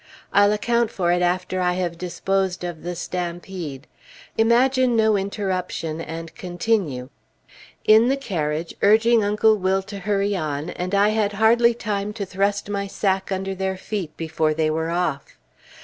I'll account for it after I have disposed of the stampede. Imagine no interruption, and continue in the carriage urging Uncle Will to hurry on, and I had hardly time to thrust my sack under their feet before they were off.